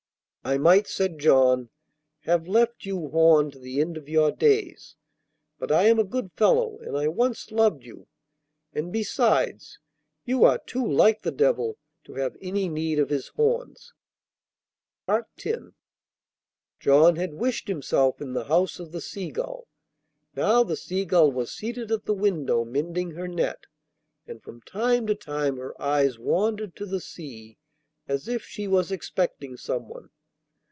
'I might,' said John, 'have left you horned to the end of your days, but I am a good fellow and I once loved you, and besides you are too like the devil to have any need of his horns.' X John had wished himself in the house of the Seagull. Now the Seagull was seated at the window, mending her net, and from time to time her eyes wandered to the sea as if she was expecting someone.